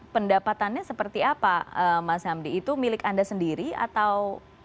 pendapatannya seperti apa mas hamdi itu milik anda sendiri atau